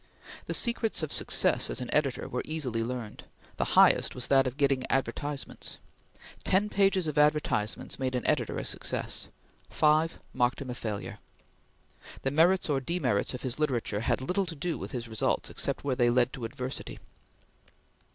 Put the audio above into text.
The secrets of success as an editor were easily learned; the highest was that of getting advertisements. Ten pages of advertising made an editor a success; five marked him as a failure. The merits or demerits of his literature had little to do with his results except when they led to adversity.